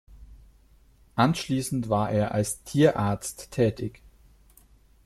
Anschließend war er als Tierarzt tätig.